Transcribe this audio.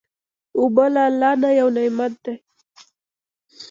اوبه له الله نه یو نعمت دی.